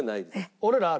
俺らある？